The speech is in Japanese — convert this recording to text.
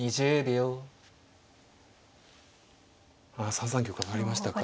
３三玉上がりましたか。